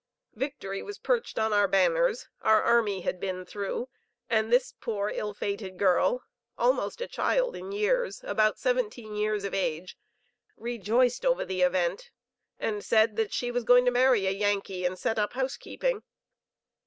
Victory was perched on our banners. Our army had been through, and this poor, ill fated girl, almost a child in years, about seventeen years of age, rejoiced over the event, and said that she was going to marry a Yankee and set up housekeeping.